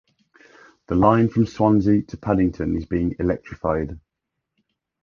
The line from Swansea to Paddington is being electrified.